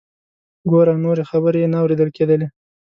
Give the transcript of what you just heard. ګوره…. نورې خبرې یې نه اوریدل کیدلې.